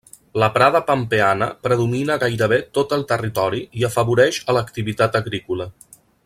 La prada pampeana predomina a gairebé tot el territori i afavoreix a l'activitat agrícola.